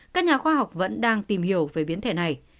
các nhà khoa học vẫn đang tìm hiểu về biến thể này